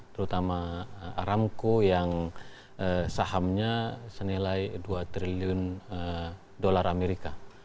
terutama aramco yang sahamnya senilai dua triliun dolar amerika